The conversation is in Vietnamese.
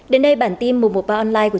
đến đây bản tin một trăm một mươi ba online của